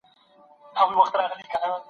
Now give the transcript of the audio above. ما نن په کتابتون کي ډېر وخت تېر کړ.